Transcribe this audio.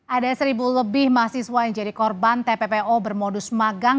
ada seribu lebih mahasiswa yang jadi korban tppo bermodus magang